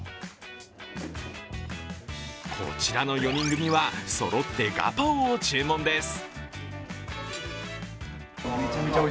こちらの４人組はそろってガパオを注文です。